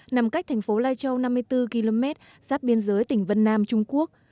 nằm cách thành phố lai châu năm mươi bốn km giáp biên giới tỉnh vân nam trung quốc